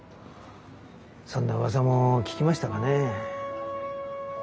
そんなうわさも聞きましたかね。